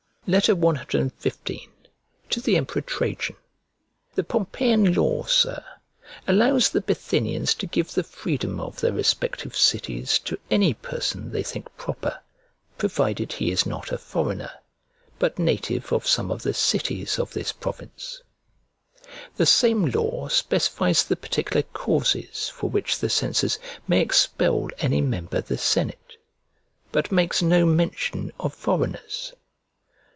CXV To THE EMPEROR TRAJAN THE Pompeian law, Sir, allows the Bithynians to give the freedom of their respective cities to any person they think proper, provided he is not a foreigner, but native of some of the cities of this province. The same law specifies the particular causes for which the censors may expel any member of the senate, but makes no mention of foreigners.